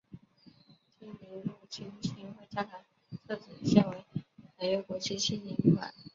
济宁路浸信会教堂旧址现为凯越国际青年旅馆。